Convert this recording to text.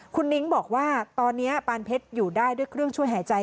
คุณนิ้งบอกว่าตอนนี้ปานเพชรอยู่ได้ด้วยเครื่องช่วยหายใจ